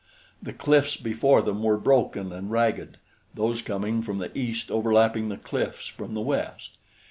The cliffs before them were broken and ragged, those coming from the east overlapping the cliffs from the west.